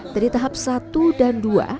dari tahap satu dan dua